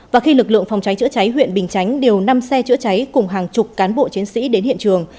và khi lực lượng phòng cháy chữa cháy huyện bình chánh điều năm xe chữa cháy cùng hàng chục cán bộ chiến sĩ đến hiện trường